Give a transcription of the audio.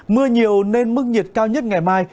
mưa nhiều nên mức nhiệt cao nhất ngày mai